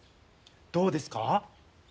どうですか？